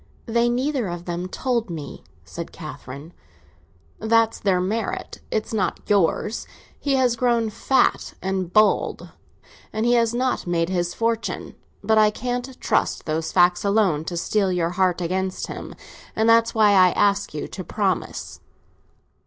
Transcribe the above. "They neither of them told me," said Catherine. "That's their merit; it's not yours. He has grown fat and bald, and he has not made his fortune. But I can't trust those facts alone to steel your heart against him, and that's why I ask you to promise."